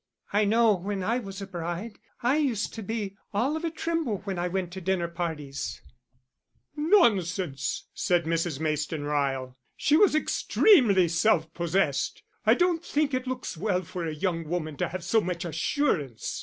"I know when I was a bride I used to be all of a tremble when I went to dinner parties." "Nonsense," said Mrs. Mayston Ryle. "She was extremely self possessed; I don't think it looks well for a young woman to have so much assurance.